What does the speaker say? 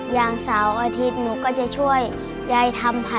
อย่างเสาร์อาทิตย์หนูก็จะช่วยยายทำผัก